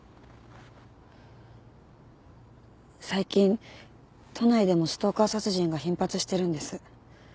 最近都内でもストーカー殺人が頻発してるんです。